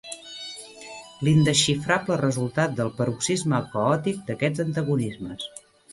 L'indesxifrable resultat del paroxisme caòtic d'aquests antagonismes.